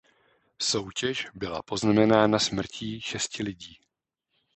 Soutěž byla poznamenána smrtí šesti lidí.